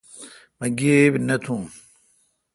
مہ گیب نہ تھون